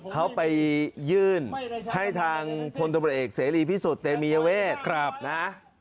เข้าไปยื่นให้ทางผลตระบัดเอกเสรีพิสุทธิ์เตรียมมีเยาะเวศนะ